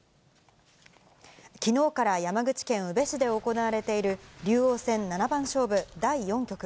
きのうから山口県宇部市で行われている竜王戦七番勝負第４局。